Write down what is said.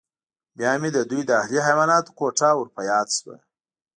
بیا مې د دوی د اهلي حیواناتو کوټه ور په یاد شوه